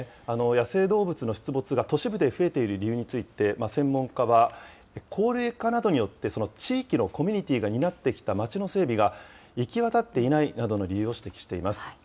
野生動物の出没が都市部で増えている理由について、専門家は、高齢化などによって、地域のコミュニティーが担ってきた街の整備が、いきわたっていないなどの理由を指摘しています。